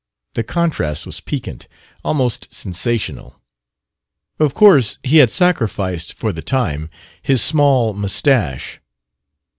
The contrast was piquant, almost sensational. Of course he had sacrificed, for the time, his small moustache.